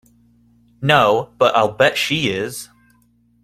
No, but I'll bet she is.